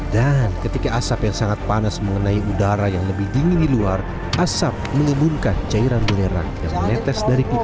dan ketika asap yang sangat panas mengenai udara yang lebih dingin di luar asap mengembungkan cairan belerang yang menetes dari pipa